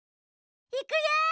いくよ！